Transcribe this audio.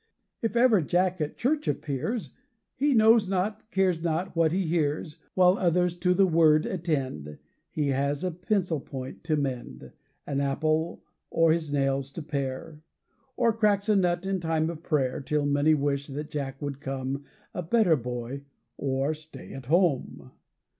If ever Jack at church appears, He knows not, cares not, what he hears. While others to the word attend, He has a pencil point to mend An apple, or his nails to pare, Or cracks a nut in time of prayer, Till many wish that Jack would come, A better boy, or stay at home.